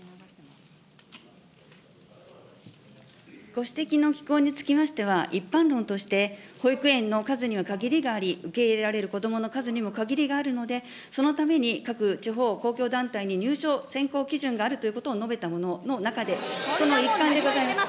ご指摘の寄稿につきましては、一般論として保育園の数には限りがあり、受け入れられる子どもの数にも限りがあるので、そのために各地方公共団体に入所選考基準があるということを述べたものの中で、その一環でございます。